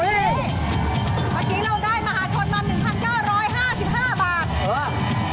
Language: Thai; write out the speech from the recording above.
เมื่อกี้เราได้มหาชนมา๑๙๕๕บาท